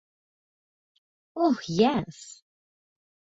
ওহ, yes.